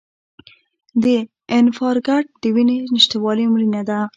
د انفارکټ د وینې نشتوالي مړینه ده.